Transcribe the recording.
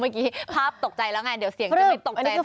เมื่อกี้ภาพตกใจแล้วไงเดี๋ยวเสียงจะไม่ตกใจ